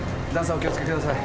お気を付けください。